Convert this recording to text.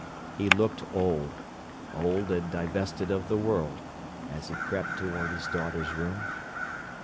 He looked old—old and divested of the world—as he crept toward his daughter's room.